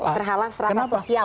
terhalang serasa sosial ya pak